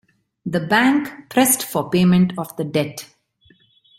The bank pressed for payment of the debt.